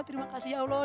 terima kasih ya allah